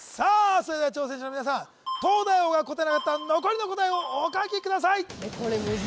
それでは挑戦者の皆さん東大王が答えなかった残りの答えをお書きください